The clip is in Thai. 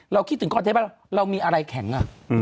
เราคิดถึงคอนเทนต์บ้านว่าเรามีอะไรแข็ง